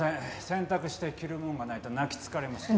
洗濯して着るものがないと泣きつかれまして。